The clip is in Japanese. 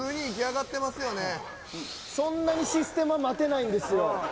そんなにシステマ待てないんですよ。